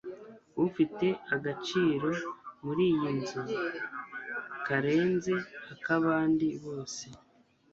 ufite agaciro muri iyi nzu karenze akabandi bose